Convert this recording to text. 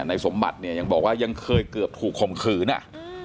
ในสมบัติเนี่ยยังบอกว่ายังเคยเกือบถูกข่มขืนอ่ะ